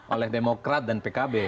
oleh demokrat dan pkb